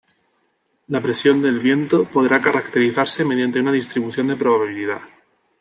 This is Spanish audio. La presión del viento podrá caracterizarse mediante una distribución de probabilidad.